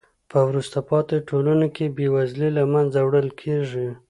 په وروسته پاتې ټولنو کې بې وزلۍ له منځه وړل کیږي.